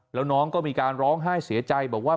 แล้วน้องก็มีการร้องไห้เสียใจบอกว่า